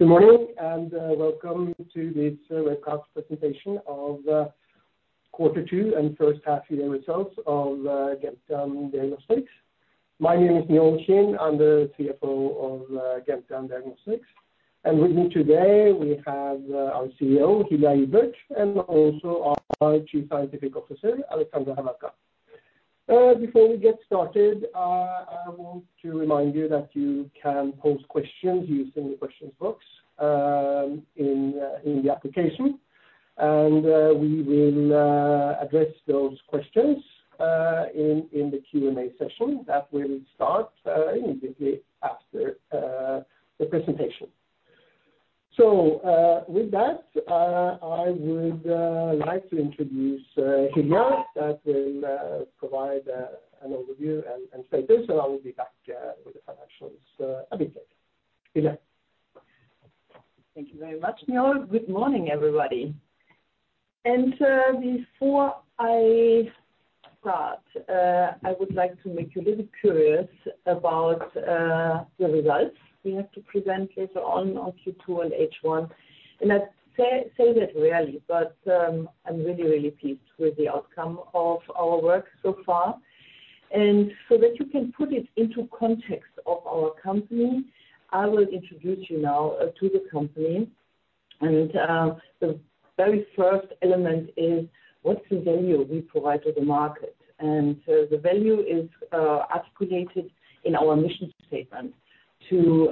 Good morning, and, welcome to this, webcast presentation of, quarter two and first half year results of, Gentian Diagnostics. My name is Njaal Kind, I'm the CFO of, Gentian Diagnostics. And with me today, we have, our CEO, Hilja Ibert, and also our Chief Scientific Officer, Aleksandra Havelka. Before we get started, I want to remind you that you can pose questions using the questions box, in the application. And, we will, address those questions, in the Q&A session that we will start, immediately after, the presentation. So, with that, I would, like to introduce, Hilja, that will, provide, an overview and status, and I will be back, with the financials, a bit later. Hilja? Thank you very much, Hilja. Good morning, everybody. Before I start, I would like to make you a little curious about the results we have to present later on, on Q2 and H1. I say that rarely, but I'm really, really pleased with the outcome of our work so far. So that you can put it into context of our company, I will introduce you now to the company. The very first element is what's the value we provide to the market? The value is articulated in our mission statement to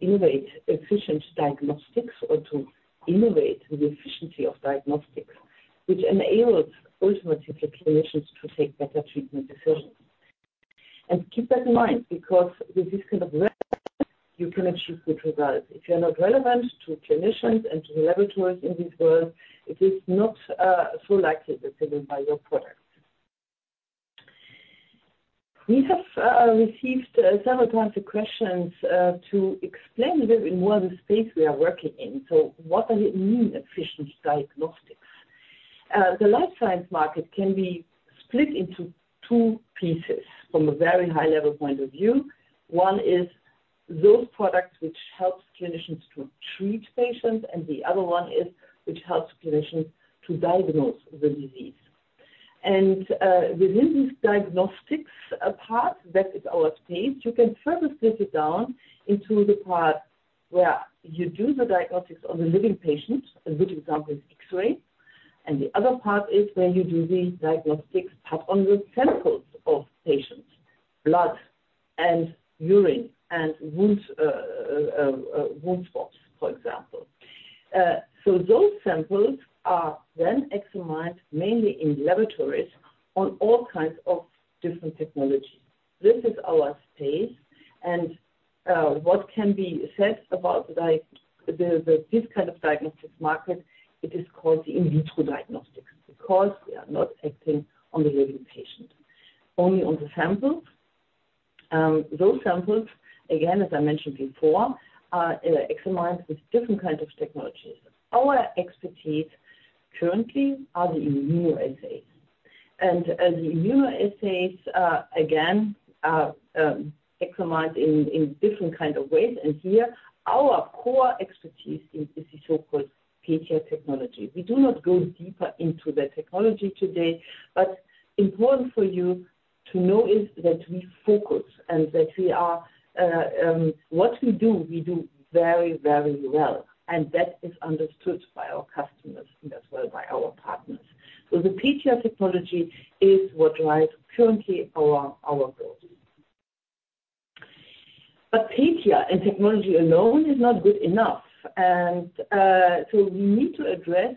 innovate efficient diagnostics or to innovate the efficiency of diagnostics, which enables, ultimately, the clinicians to take better treatment decisions. Keep that in mind, because with this kind of relevance, you can achieve good results. If you're not relevant to clinicians and to the laboratories in this world, it is not so likely they're driven by your products. We have received several times the questions to explain a little in what space we are working in. So what does it mean, efficient diagnostics? The life science market can be split into two pieces from a very high level point of view. One is those products which helps clinicians to treat patients, and the other one is which helps clinicians to diagnose the disease. Within this diagnostics part, that is our space, you can further split it down into the part where you do the diagnostics on the living patient, a good example is X-ray, and the other part is where you do the diagnostics part on the samples of patients, blood and urine and wound swabs, for example. So those samples are then examined mainly in laboratories on all kinds of different technologies. This is our space, and what can be said about this kind of diagnostics market, it is called the in vitro diagnostics, because we are not acting on the living patient, only on the samples. Those samples, again, as I mentioned before, are examined with different kinds of technologies. Our expertise currently are the immunoassays. The immunoassays, again, are examined in different kind of ways, and here our core expertise is this so-called PETIA technology. We do not go deeper into the technology today, but important for you to know is that we focus and that we are what we do, we do very, very well, and that is understood by our customers and as well by our partners. So the PETIA technology is what drives currently our growth. But PETIA and technology alone is not good enough, and so we need to address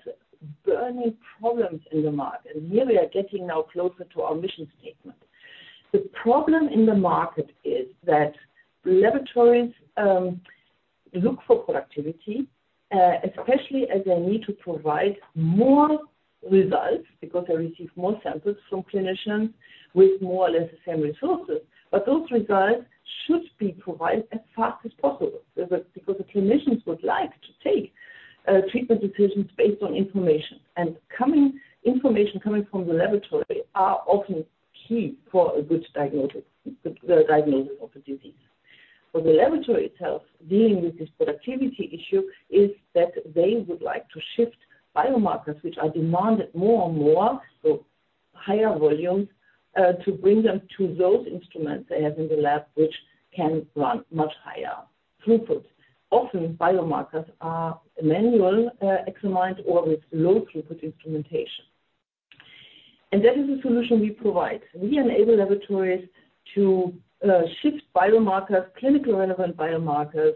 burning problems in the market, and here we are getting now closer to our mission statement. The problem in the market is that laboratories look for productivity, especially as they need to provide more results because they receive more samples from clinicians with more or less the same resources. But those results should be provided as fast as possible, because the clinicians would like to take treatment decisions based on information. And information coming from the laboratory are often key for a good diagnosis, the diagnosis of a disease. For the laboratory itself, dealing with this productivity issue, is that they would like to shift biomarkers which are demanded more and more, so higher volumes to bring them to those instruments they have in the lab, which can run much higher throughput. Often, biomarkers are manual examined or with low throughput instrumentation. And that is the solution we provide. We enable laboratories to shift biomarkers, clinical relevant biomarkers,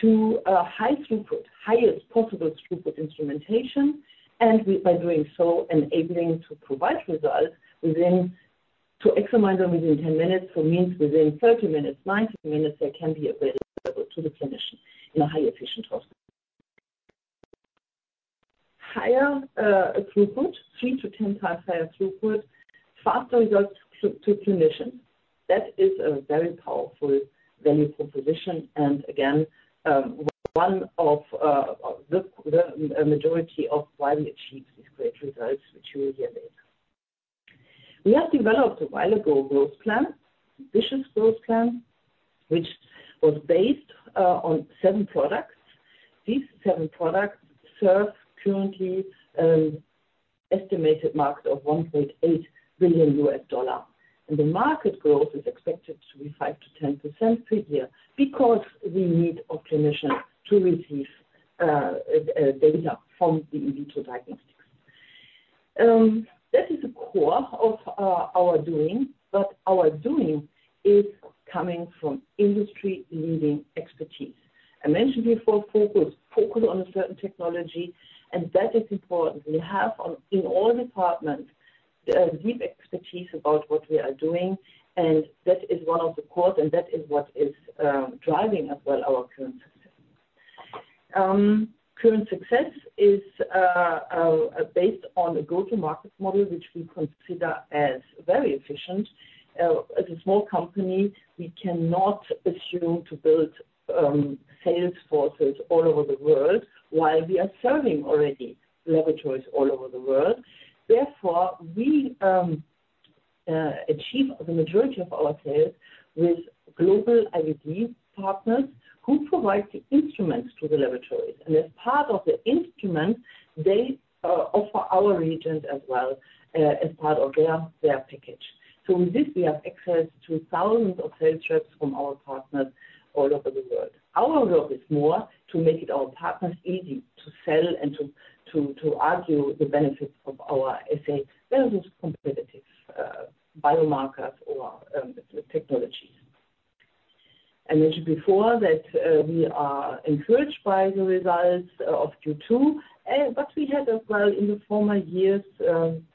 to a high throughput, highest possible throughput instrumentation. We, by doing so, enabling to provide results within, to examine them within 10 minutes, so means within 30 minutes, 90 minutes, they can be available to the clinician in a high efficient hospital. Higher throughput, three-10 times higher throughput, faster results to clinician. That is a very powerful value proposition. Again, one of the a majority of why we achieved these great results, which you will hear later. We have developed a while ago, growth plan, ambitious growth plan, which was based on seven products. These seven products serve currently estimated market of $1.8 billion. The market growth is expected to be 5%-10% per year because we need optimization to receive data from the in vitro diagnostics. That is the core of our doing, but our doing is coming from industry-leading expertise. I mentioned before, focus on a certain technology, and that is important. We have, in all departments, a deep expertise about what we are doing, and that is one of the core, and that is what is driving as well our current success. Current success is based on a go-to-market model, which we consider as very efficient. As a small company, we cannot assume to build sales forces all over the world while we are serving already laboratories all over the world. Therefore, we achieve the majority of our sales with global IVD partners who provide the instruments to the laboratories. And as part of the instrument, they offer our reagents as well as part of their package. So with this, we have access to thousands of sales reps from our partners all over the world. Our job is more to make it our partners easy to sell and to argue the benefits of our assay versus competitive biomarkers or technologies. I mentioned before that we are encouraged by the results of Q2. But we had as well in the former years,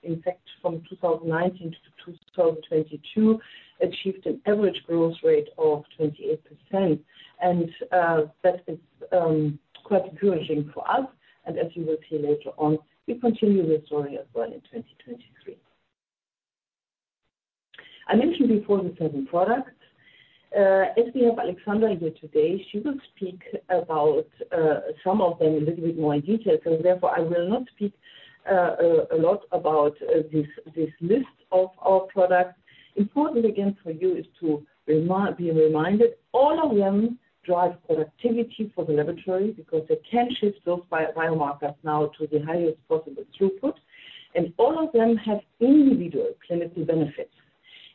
in fact, from 2019-2022, achieved an average growth rate of 28%. That is quite encouraging for us. As you will see later on, we continue with growing as well in 2023. I mentioned before the seven products. As we have Aleksandra here today, she will speak about some of them a little bit more in detail, so therefore, I will not speak a lot about this, this list of our products. Important, again, for you is to remind, be reminded, all of them drive productivity for the laboratory because they can shift those bio, biomarkers now to the highest possible throughput, and all of them have individual clinical benefits.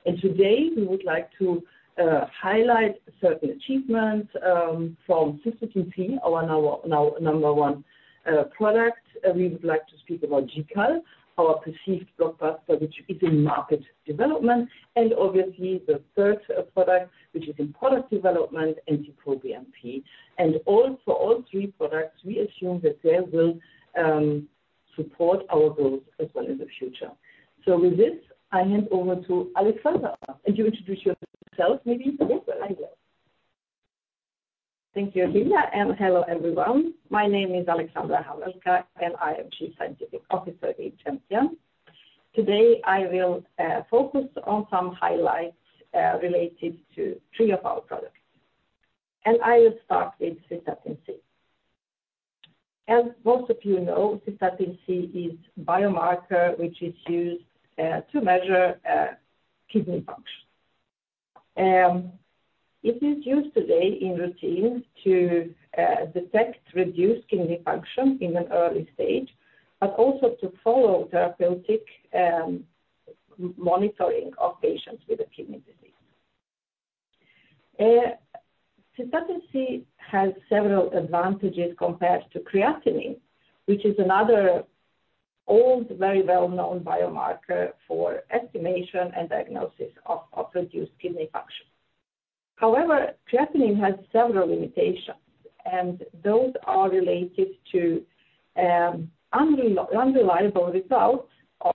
And today, we would like to highlight certain achievements from Cystatin C, our now, now number one product. We would like to speak about GCAL, our perceived blockbuster, which is in market development, and obviously the third product, which is in product development, NT-proBNP. And all, for all three products, we assume that they will support our growth as well in the future. With this, I hand over to Aleksandra. You introduce yourself, maybe? Yes, I will. Thank you, Hilja, and hello, everyone. My name is Aleksandra Havelka, and I am Chief Scientific Officer in Gentian. Today, I will focus on some highlights related to three of our products, and I will start with Cystatin C. As most of you know, Cystatin C is biomarker, which is used to measure kidney function. It is used today in routine to detect reduced kidney function in an early stage, but also to follow therapeutic monitoring of patients with a kidney disease. Cystatin C has several advantages compared to creatinine, which is another old, very well-known biomarker for estimation and diagnosis of reduced kidney function. However, creatinine has several limitations, and those are related to unreliable results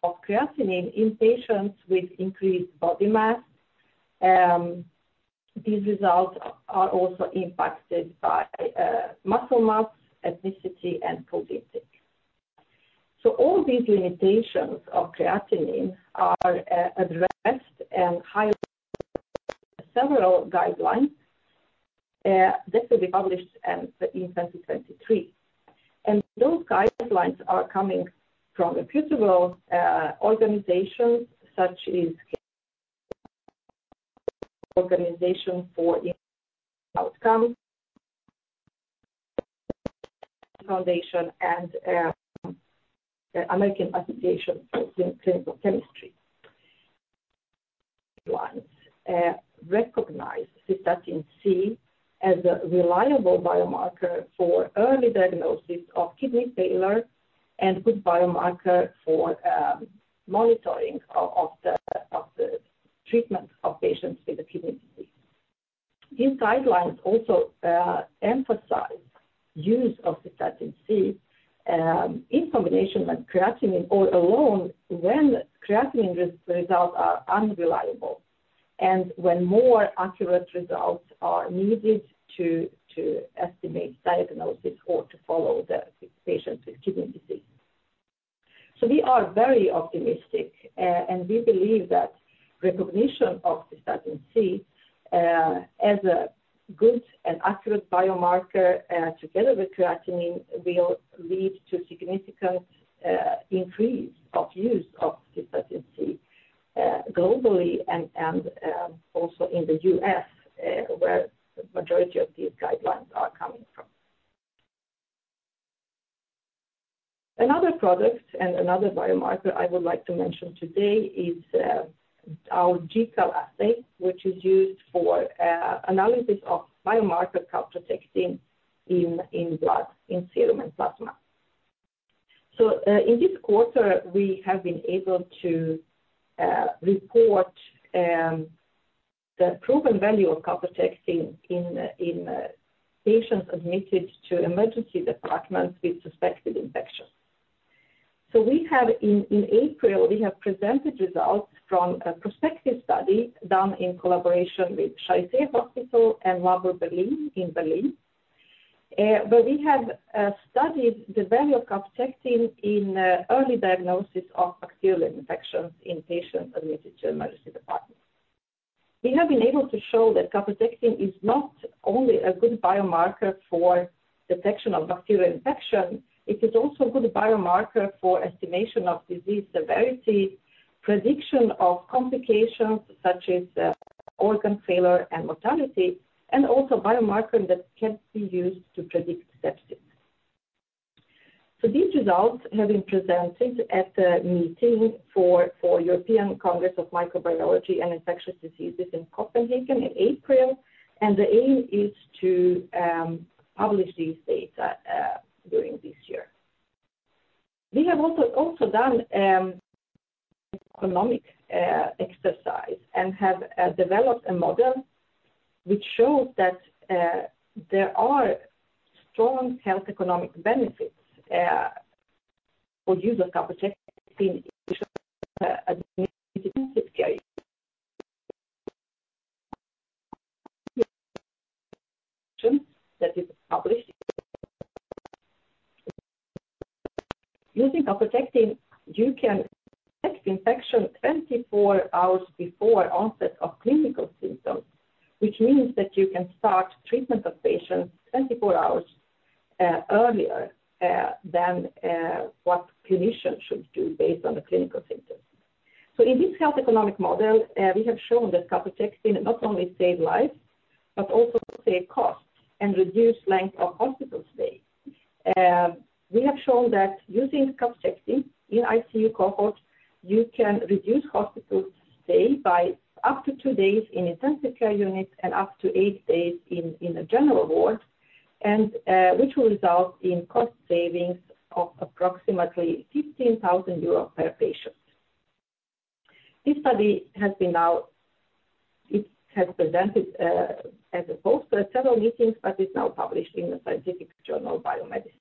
of creatinine in patients with increased body mass. These results are also impacted by muscle mass, ethnicity, and protein. All these limitations of creatinine are addressed and highlight several guidelines that will be published in 2023. Those guidelines are coming from reputable organizations, such as National Kidney Foundation and the American Association for Clinical Chemistry, recognize Cystatin C as a reliable biomarker for early diagnosis of kidney failure and good biomarker for monitoring of the treatment of patients with a kidney disease. These guidelines also emphasize use of Cystatin C in combination with creatinine or alone, when creatinine results are unreliable and when more accurate results are needed to estimate diagnosis or to follow the patients with kidney disease. So we are very optimistic, and we believe that-... Recognition of Cystatin C as a good and accurate biomarker together with Creatinine will lead to significant increase of use of Cystatin C globally and also in the US where the majority of these guidelines are coming from. Another product and another biomarker I would like to mention today is our GCAL assay, which is used for analysis of biomarker calprotectin in blood, in serum and plasma. So in this quarter, we have been able to report the proven value of calprotectin in patients admitted to emergency departments with suspected infection. So we have in April, we have presented results from a prospective study done in collaboration with Charité Hospital and Labor Berlin in Berlin, where we have studied the value of calprotectin in early diagnosis of bacterial infections in patients admitted to emergency department. We have been able to show that calprotectin is not only a good biomarker for detection of bacterial infection, it is also a good biomarker for estimation of disease severity, prediction of complications such as organ failure and mortality, and also biomarker that can be used to predict sepsis. So these results have been presented at the meeting for European Congress of Microbiology and Infectious Diseases in Copenhagen in April, and the aim is to publish these data during this year. We have also done economic exercise and have developed a model which shows that there are strong health economic benefits for use of calprotectin in intensive care. That is published. Using calprotectin, you can detect infection 24 hours before onset of clinical symptoms, which means that you can start treatment of patients 24 hours earlier than what clinicians should do based on the clinical symptoms. So in this health economic model, we have shown that calprotectin not only save lives, but also save costs and reduce length of hospital stay. We have shown that using calprotectin in ICU cohort, you can reduce hospital stay by up to 2 days in intensive care units and up to 8 days in a general ward, and which will result in cost savings of approximately 15,000 euros per patient. This study has been out, it has presented as a poster at several meetings, but is now published in the scientific journal Biomedicines.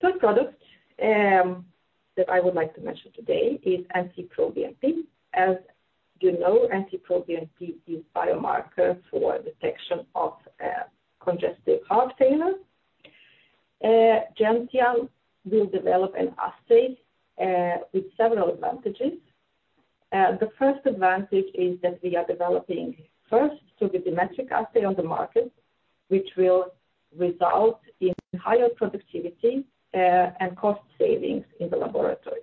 Third product that I would like to mention today is NT-proBNP. As you know, NT-proBNP is biomarker for detection of congestive heart failure. Gentian will develop an assay with several advantages. The first advantage is that we are developing first turbidimetric assay on the market, which will result in higher productivity and cost savings in the laboratory.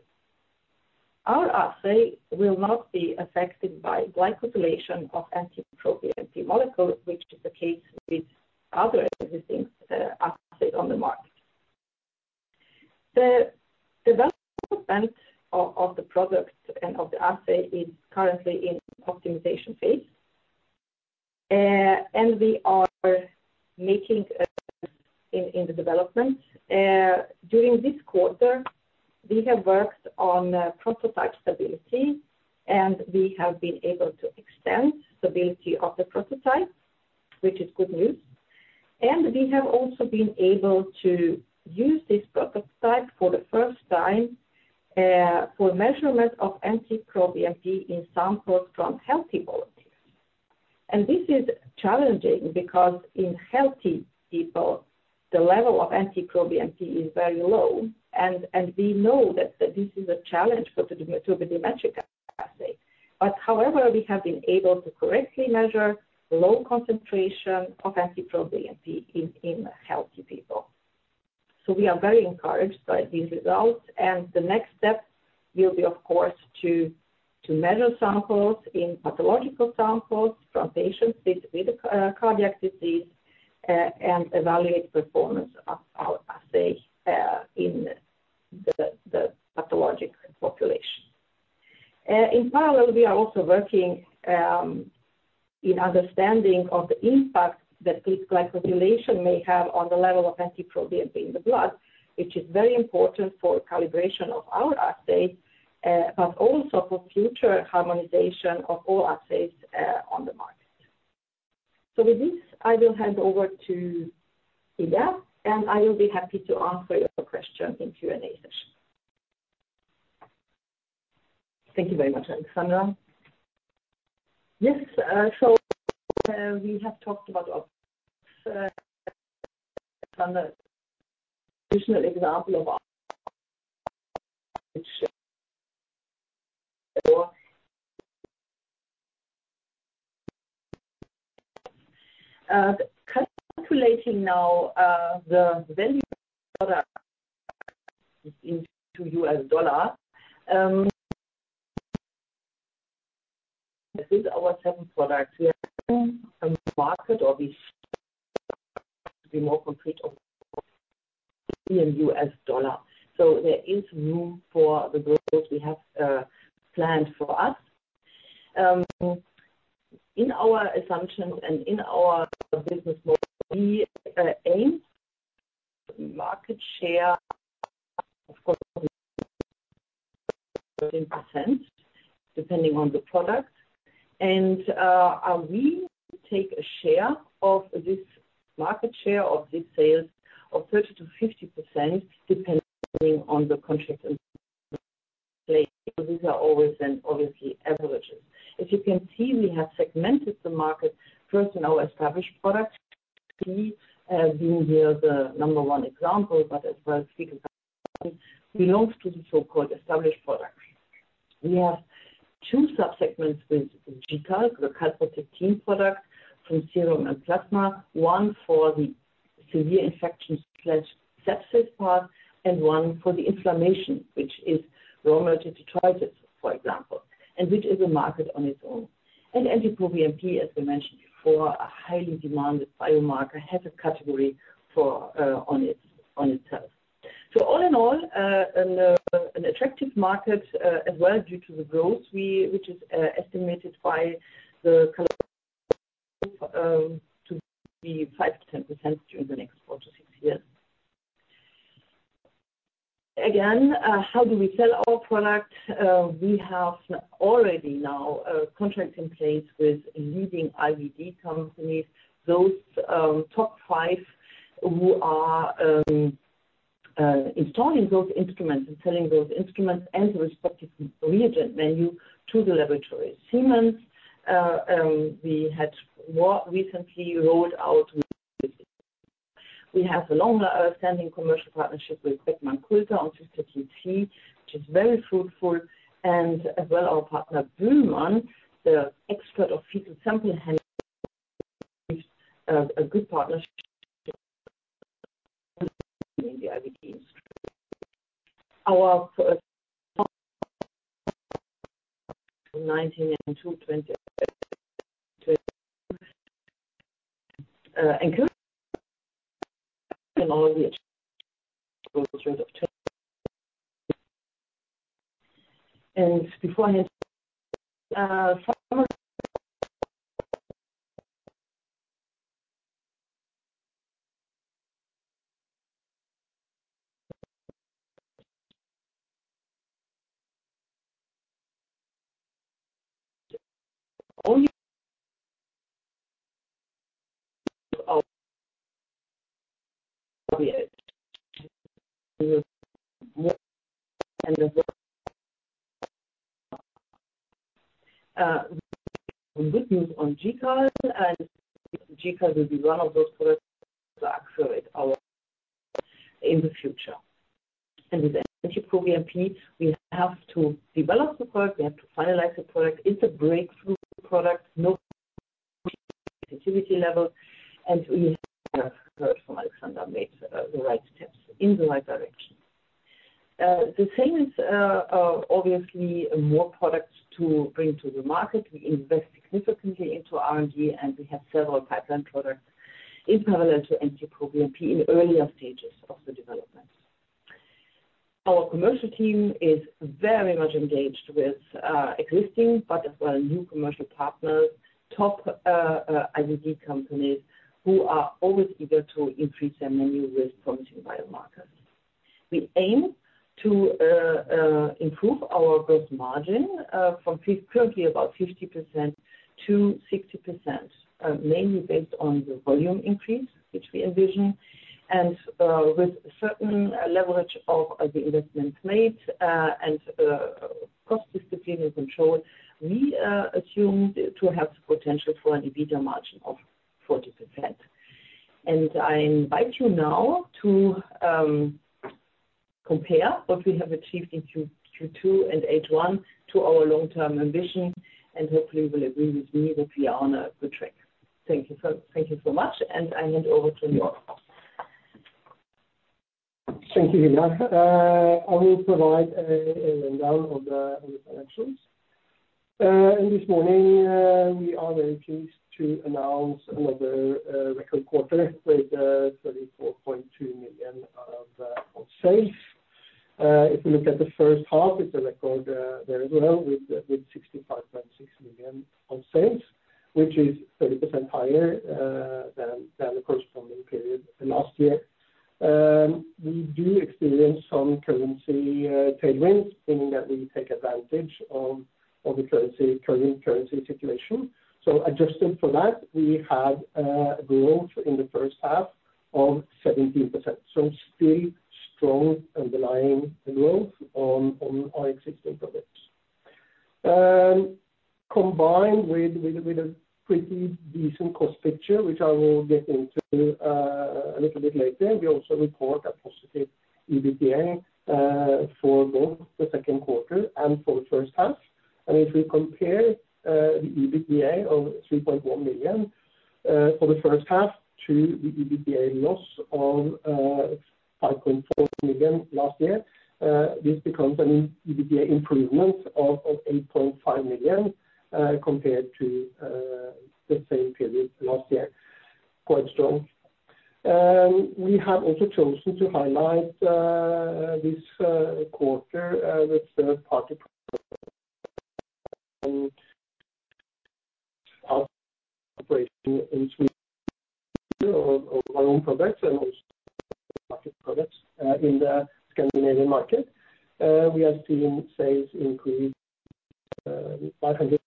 Our assay will not be affected by glycosylation of NT-proBNP molecule, which is the case with other existing assay on the market. The development of the product and of the assay is currently in optimization phase, and we are making in the development. During this quarter, we have worked on prototype stability, and we have been able to extend stability of the prototype, which is good news. And we have also been able to use this prototype for the first time for measurement of NT-proBNP in samples from healthy volunteers. And this is challenging because in healthy people, the level of NT-proBNP is very low, and we know that this is a challenge for the troponin assay. But however, we have been able to correctly measure low concentration of NT-proBNP in healthy people. So we are very encouraged by these results, and the next step will be, of course, to measure samples in pathological samples from patients with cardiac disease, and evaluate performance of our assay in the pathologic population. In parallel, we are also working in understanding of the impact that this glycosylation may have on the level of NT-proBNP in the blood, which is very important for calibration of our assay, but also for future harmonization of all assays on the market. So with this, I will hand over to Hilja, and I will be happy to answer your questions in Q&A session. Thank you very much, Aleksandra. Yes, so, we have talked about our, from the additional example of our, calculating now, the value product into U.S. dollar, with our seven products, we are on the market, or we to be more complete in U.S. dollar. There is room for the growth we have, planned for us. In our assumptions and in our business model, we aim market share, of course, 13%, depending on the product. We take a share of this market share, of this sales of 30%-50%, depending on the contract in place. These are always and obviously, averages. As you can see, we have segmented the market first in our established products. As you hear the number one example, but as well, belongs to the so-called established products. We have two sub-segments with GCAL, the calprotectin product from serum and plasma, one for the severe infection/sepsis part and one for the inflammation, which is rheumatoid arthritis, for example, and which is a market on its own. NT-proBNP, as we mentioned before, a highly demanded biomarker, has a category for, on its, on itself. So all in all, an attractive market, as well, due to the growth, which is estimated by the, to be 5%-10% during the next four-six years. Again, how do we sell our products? We have already now, contracts in place with leading IVD companies, those, top five who are, installing those instruments and selling those instruments and the respective region menu to the laboratory. Siemens, we had more recently rolled out. We have a longer standing commercial partnership with Beckman Coulter on Cystatin C, which is very fruitful, and as well, our partner, Buhlmann, the expert of fecal sample handling, a good partnership, the IVD. Our first 2019 and 2020, and currently in all the top 10. Before I, good news on GCAL, and GCAL will be one of those products to accelerate our in the future. With NT-proBNP, we have to develop the product, we have to finalize the product. It's a breakthrough product, no activity level, and we have heard from Aleksandra made the right steps in the right direction. The same is obviously more products to bring to the market. We invest significantly into R&D, and we have several pipeline products in parallel to NT-proBNP in the earlier stages of the development. Our commercial team is very much engaged with existing, but as well, new commercial partners, top IVD companies who are always eager to increase their menu with promising biomarkers. We aim to improve our gross margin from currently about 50%-60%, mainly based on the volume increase, which we envision, and with certain leverage of the investments made, and cost discipline and control, we assume to have the potential for an EBITDA margin of 40%. I invite you now to compare what we have achieved in Q2 and H1 to our long-term ambition, and hopefully you will agree with me that we are on a good track. Thank you. So thank you so much, and I hand over to you. Thank you very much. I will provide a rundown on the connections. This morning, we are very pleased to announce another record quarter with 34.2 million on sales. If you look at the first half, it's a record as well, with 65.6 million on sales, which is 30% higher than the corresponding period last year. We do experience some currency tailwinds, meaning that we take advantage of the current currency situation. Adjusting for that, we had growth in the first half of 17%, so still strong underlying growth on our existing products. Combined with a pretty decent cost picture, which I will get into a little bit later. We also report a positive EBITDA for both the second quarter and for the first half. If we compare the EBITDA of 3.1 million for the first half to the EBITDA loss of 5.4 million last year, this becomes an EBITDA improvement of 8.5 million compared to the same period last year. Quite strong. We have also chosen to highlight this quarter, and our operation in Sweden of our own products and also market products in the Scandinavian market; we have seen sales increase 500.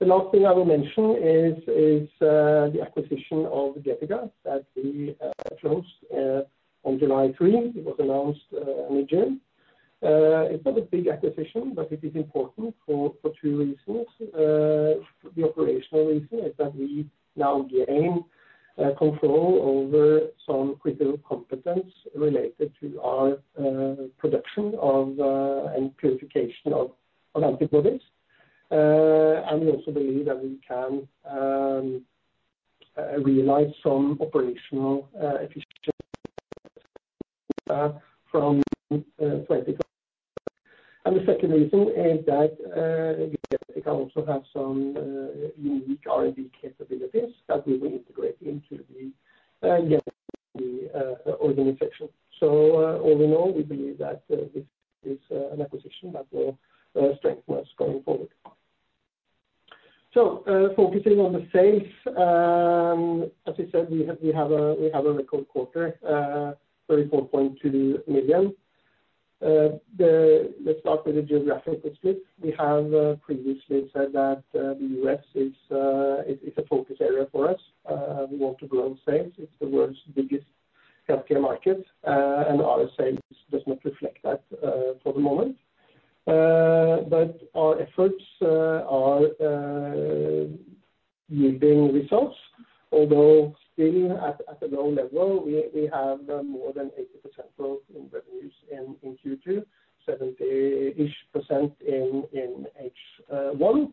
Previous quarters. The underlying performance is good, but here we also take advantage of the currency payments as described. As Aleksandra explained, we still see a very positive environment for Cystatin C, now backed by changes in guidelines and recommendations, and we intend to take advantage of that. The last thing I will mention is the acquisition of Gene Tech that we closed on 3 July. It was announced in June. It's not a big acquisition, but it is important for two reasons. The operational reason is that we now gain control over some critical competence related to our production and purification of antibodies. And we also believe that we can realize some operational efficiency from Gene Tech. And the second reason is that Gene Tech also have some unique R&D capabilities that we will integrate into the Gene Tech organization. So, all in all, we believe that this is an acquisition that will strengthen us going forward. So, focusing on the sales, as I said, we have a record quarter, 34.2 million. Let's start with the geographic split. We have previously said that the U.S. is a focus area for us. We want to grow sales. It's the world's biggest healthcare market, and our sales does not reflect that for the moment. But our efforts are yielding results, although still at a low level, we have more than 80% growth in revenues in Q2, 70-ish% in H1.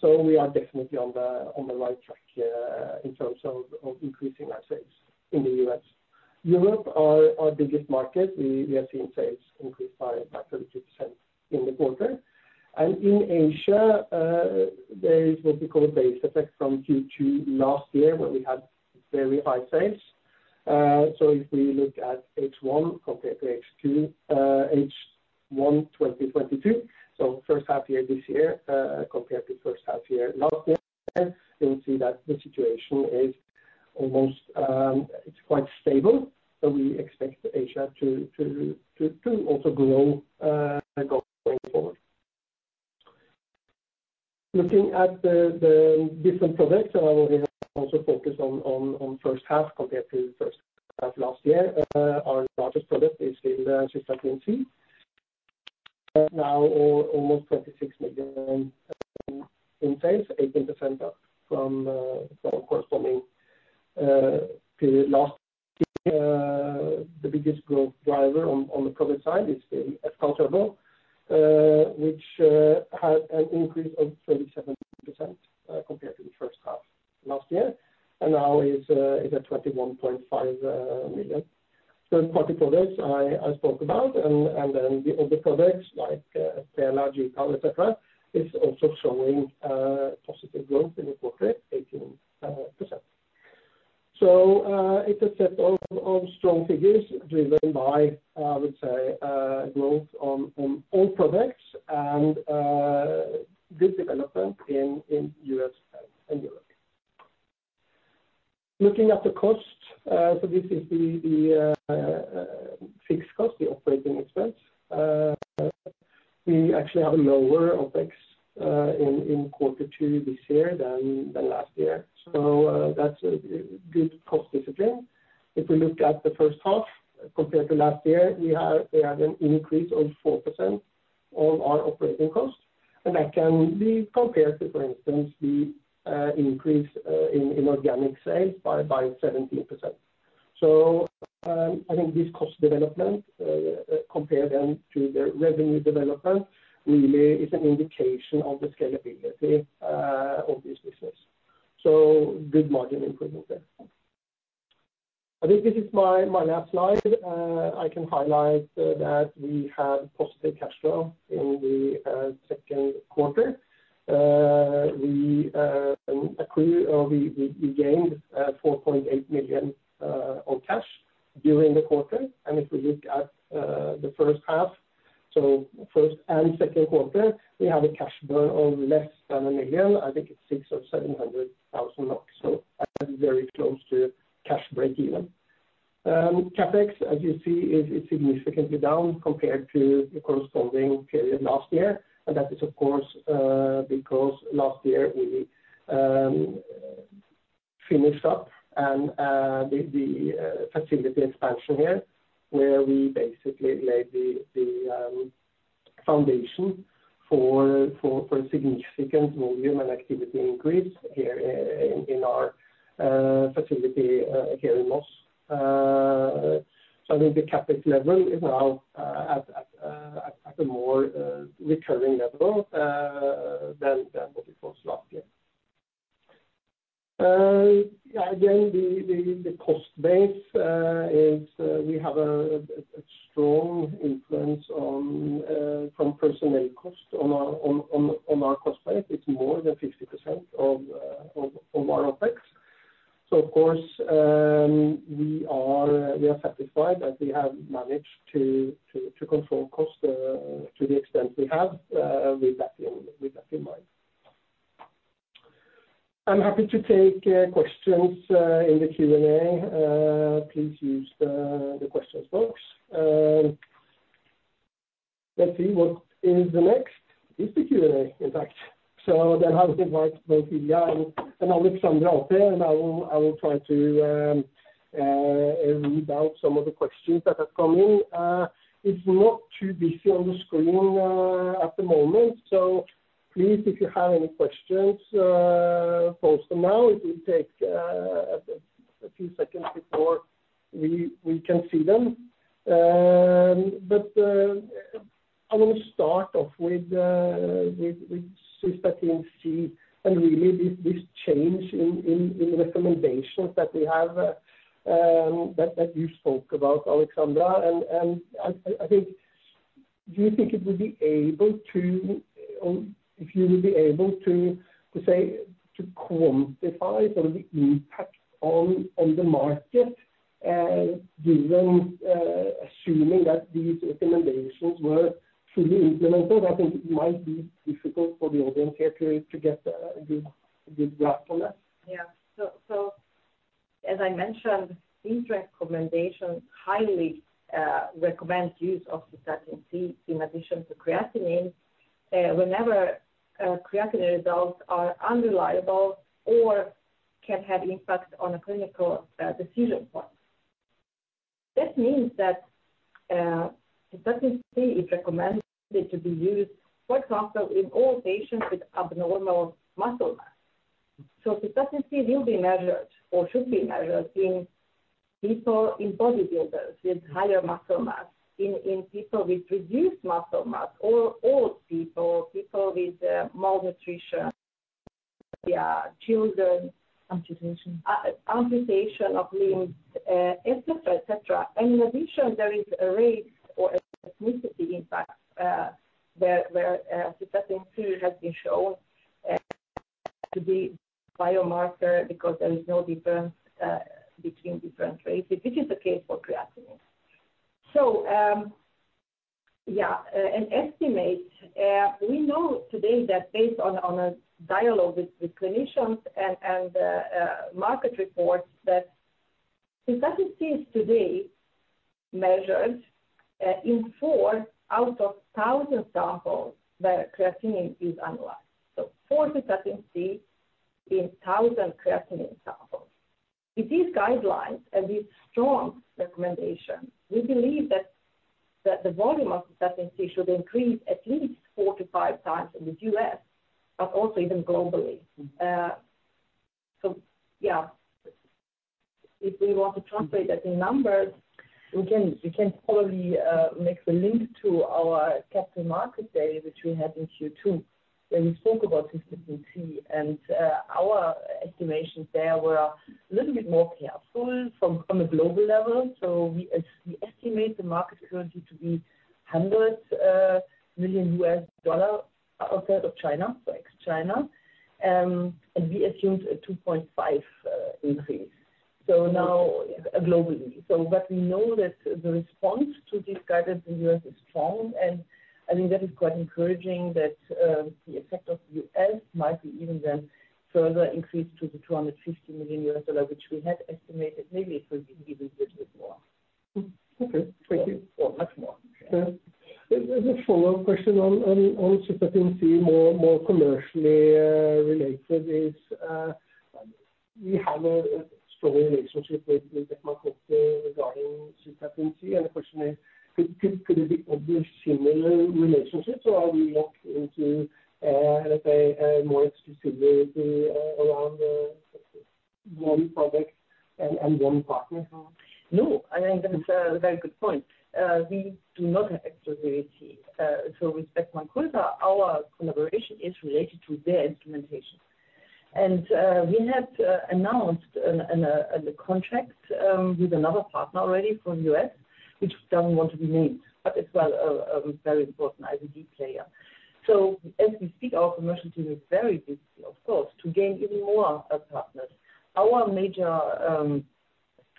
So we are definitely on the right track in terms of increasing our sales in the US. Europe are our biggest market. We have seen sales increase by 32% in the quarter. And in Asia, there is what we call a base effect from Q2 last year, where we had very high sales. So if we look at H1 compared to H2, H1 2022, so first half year this year compared to first half year last year, you'll see that the situation is almost it's quite stable, so we expect Asia to also grow going forward. Looking at the different products, we also focus on first half compared to first half last year. Our largest product is the Cystatin C. Now almost 26 million in sales, 18% up from corresponding to last year. The biggest growth driver on the product side is the fCAL turbo, which had an increase of 37% compared to the first half last year, and now is at 21.5 million. Third party products, I spoke about, and then the other products like fPELA et cetera is also showing positive growth in the quarter, 18%. It's a set of strong figures driven by, I would say, growth on all products and good development in U.S. and Europe. Looking at the cost, so this is the fixed cost, the operating expense. We actually have a lower OpEx in quarter two this year than last year. So, that's a good cost discipline. If we look at the first half compared to last year, we had an increase of 4% in all our operating costs, and that can be compared to, for instance, the increase in organic sales by 17%. So, I think this cost development, compare them to the revenue development, really is an indication of the scalability of this business. So good margin improvement there. I think this is my last slide. I can highlight that we had positive cash flow in the second quarter. We accrue or we gained 4.8 million on cash during the quarter. And if we look at the first half, so first and second quarter, we have a cash burn of less than 1 million. I think it's 600,000 or 700,000, so very close to cash breakeven. CapEx, as you see, is significantly down compared to the corresponding period last year. And that is, of course, because last year we finished up and the facility expansion here, where we basically laid the foundation for a significant volume and activity increase here in our facility here in Moss. So I think the CapEx level is now at a more recurring level than what it was last year. Yeah, again, the cost base is we have a strong influence from personnel costs on our cost base. It's more than 50% of our OpEx. So of course, we are satisfied that we have managed to control costs to the extent we have, with that in mind. I'm happy to take questions in the Q&A. Please use the questions box. Let's see, what is the next? It's the Q&A, in fact. So then I will invite both Hilja and Aleksandra out there, and I will try to read out some of the questions that have come in. It's not too busy on the screen at the moment, so please, if you have any questions, post them now. It will take a few seconds before we can see them. But I want to start off with Cystatin C and really this change in recommendations that we have, that you spoke about Aleksandra. And I think, do you think it would be able to, if you would be able to say, to quantify some of the impact on the market, given assuming that these recommendations were fully implemented? I think it might be difficult for the audience here to get a good grasp on that. Yeah. So, so as I mentioned, these recommendations highly recommend use of Cystatin C in addition to creatinine whenever creatinine results are unreliable or can have impact on a clinical decision point. This means that Cystatin C is recommended to be used, for example, in all patients with abnormal muscle mass. So Cystatin C will be measured or should be measured in people, in bodybuilders with higher muscle mass, in people with reduced muscle mass or old people, people with malnutrition, yeah, children- Amputation. Amputation of limbs, et cetera, et cetera. In addition, there is a race or ethnicity impact, where Cystatin C has been shown to be biomarker, because there is no difference between different races, which is the case for creatinine. So, yeah, an estimate, we know today that based on a dialogue with clinicians and market reports, that Cystatin C today measured in four out of 1,000 samples, where creatinine is analyzed. So four Cystatin C in 1,000 creatinine samples. With these guidelines and these strong recommendations, we believe that the volume of Cystatin C should increase at least four-five times in the U.S., but also even globally. So yeah, if we want to translate that in numbers- We can, we can probably make the link to our capital market day, which we had in Q2, where we spoke about Cystatin C. Our estimations there were a little bit more careful from, from a global level. So we estimate the market currently to be $100 million outside of China, so ex-China. And we assumed a 2.5 increase. So now, globally. But we know that the response to this guide in the US is strong, and I think that is quite encouraging that the effect of US might be even then further increased to the $250 million, which we had estimated, maybe it will be even a little bit more. Okay, thank you. Or much more. As a follow-up question on Cystatin C, more commercially related is... We have a strong relationship with Beckman Coulter regarding Cystatin C, and the question is, could it be other similar relationships or are we look into, let's say, a more exclusivity around one product and one partner? No, I think that's a very good point. We do not have exclusivity. So with Beckman Coulter, our collaboration is related to their implementation. And we have announced a contract with another partner already from U.S., which doesn't want to be named, but it's a very important IVD player. So as we speak, our commercial team is very busy, of course, to gain even more partners. Our major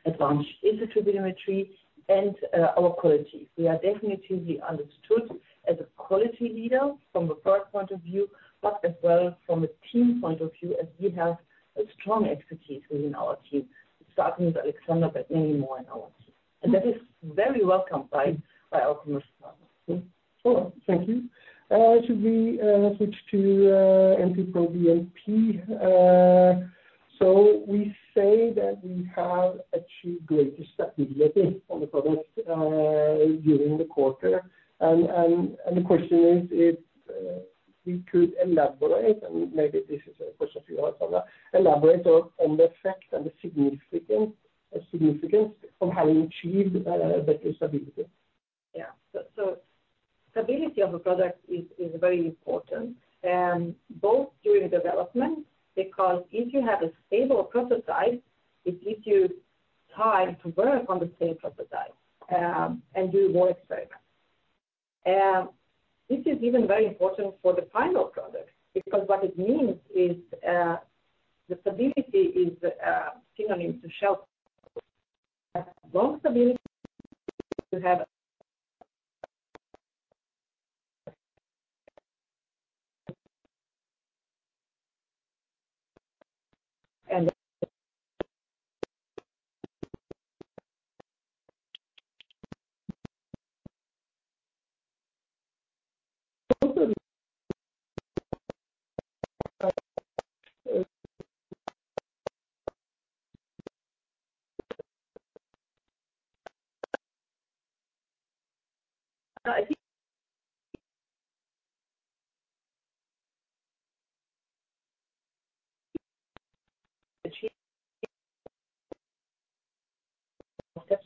advantage is the turbidimetry and our quality. We are definitively understood as a quality leader from a product point of view, but as well from a team point of view, as we have a strong expertise within our team, starting with Aleksandra, but many more in our team. And that is very welcomed by our commercial partners. Oh, thank you. Should we switch to NT-proBNP? So we say that we have achieved greater stability on the product during the quarter. And the question is if we could elaborate, and maybe this is a question for you, Alexa. Elaborate on the effect and the significance of having achieved better stability. Yeah. So, stability of a product is very important both during development, because if you have a stable prototype, it gives you time to work on the same prototype and do more experiments. This is even very important for the final product, because what it means is the stability is synonym to shelf. Long stability to have and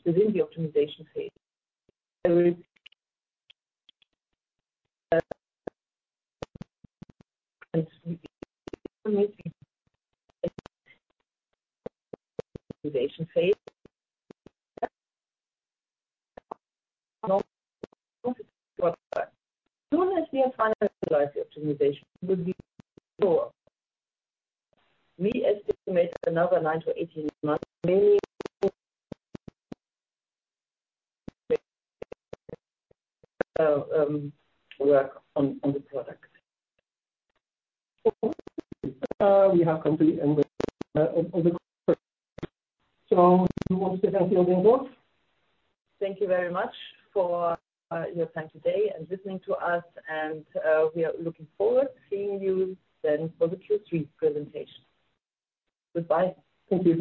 within the optimization phase. As soon as we have finalized the optimization, we'll be sure. We estimate another 9-18 months, maybe, work on the product. We have complete in the on the call. So do you want to thank you again, both? Thank you very much for your time today and listening to us, and we are looking forward seeing you then for the Q3 presentation. Goodbye. Thank you.